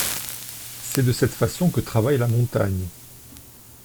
C’est de cette façon que travaille la montagne.